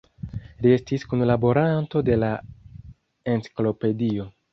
Li estis kunlaboranto de la Enciklopedio.